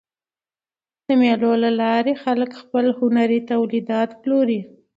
د مېلو له لاري خلک خپل هنري تولیدات پلوري.